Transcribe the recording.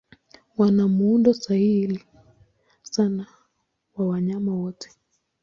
Wana muundo sahili sana wa wanyama wote.